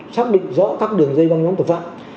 xác định rõ các đường dây băng nhóm tội phạm